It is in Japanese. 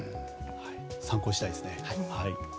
参考にしたいですね。